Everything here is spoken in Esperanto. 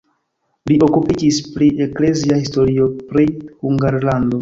Li okupiĝis pri eklezia historio pri Hungarlando.